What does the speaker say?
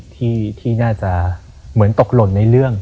ที่น่าจะเหมือนตกหล่นในเรื่อง